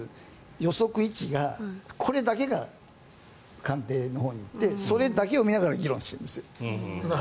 予測位置だけが官邸のほうに行ってそれだけを見ながら議論してるんですよ。